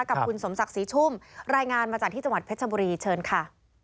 กับคุณสมศักดิ์ศรีชุ่มรายงานมาจากที่จังหวัดเพชรบุรีเชิญค่ะ